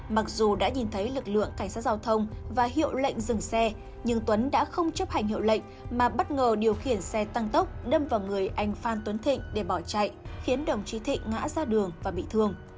mặc dù đã nhìn thấy lực lượng cảnh sát giao thông và hiệu lệnh dừng xe nhưng tuấn đã không chấp hành hiệu lệnh mà bất ngờ điều khiển xe tăng tốc đâm vào người anh phan tuấn thịnh để bỏ chạy khiến đồng chí thịnh ngã ra đường và bị thương